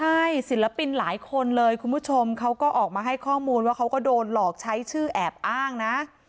ใช่ศิลปินหลายคนเลยคุณผู้ชมเขาก็ออกมาให้ข้อมูลว่าเขาก็โดนหลอกใช้ชื่อแอบอ้างนะ